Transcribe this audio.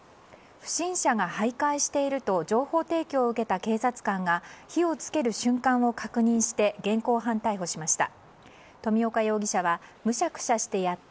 不審者が徘徊していると情報提供を受けた警察官が火を付ける瞬間を確認して現行犯逮捕しました。